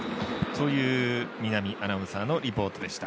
見浪アナウンサーのリポートでした。